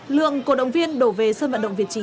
lượng cổ động viên đổ về sân vận động việt trì